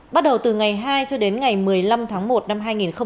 bắt đầu từ ngày hai cho đến ngày một mươi năm tháng một năm hai nghìn hai mươi